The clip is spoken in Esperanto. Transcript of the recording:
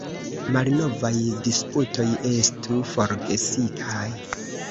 Malnovaj disputoj estu forgesitaj.